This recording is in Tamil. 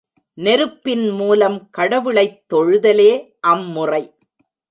நெருப்பின் மூலம் கடவுளைத் தொழுதலே அம்முறை.